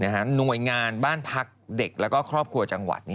หน่วยงานบ้านพักเด็กและครอบครัวจังหวัด